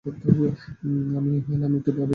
আমি হেলা মৃত্যুর দেবী।